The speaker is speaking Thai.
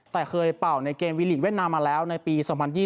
แต่เคยเป่าในเกมวีลีกเวียดนามมาแล้วในปี๒๐๒๐